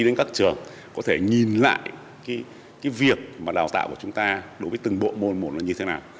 để nhìn lại cái việc mà đào tạo của chúng ta đối với từng bộ môn một là như thế nào